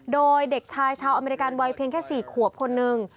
โดยเด็กชายชาวอเมริกันวัยเพียงแค่๔ขวบคนนึง